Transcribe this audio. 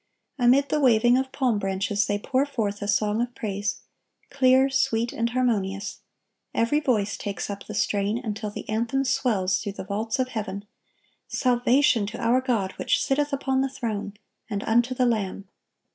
Amid the waving of palm branches they pour forth a song of praise, clear, sweet, and harmonious; every voice takes up the strain, until the anthem swells through the vaults of heaven, "Salvation to our God which sitteth upon the throne, and unto the Lamb."